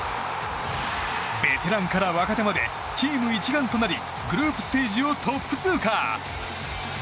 ベテランから若手までチーム一丸となりグループステージをトップ通過！